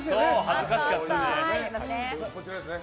恥ずかしかったね。